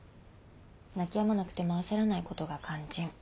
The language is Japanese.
泣きやまなくても焦らないことが肝心。